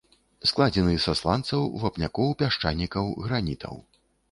Складзены са сланцаў, вапнякоў, пясчанікаў, гранітаў.